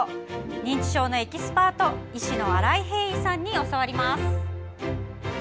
認知症のエキスパート医師の新井平伊さんに教わります。